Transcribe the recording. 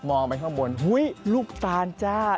มองไปข้างบนอุ๊ยลูกตานจ้า